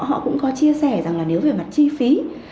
họ cũng có chia sẻ rằng là nếu về mặt chi phí